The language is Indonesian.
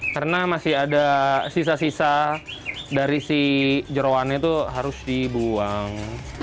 karena masih ada sisa sisa dari si jerawan itu harus dibuang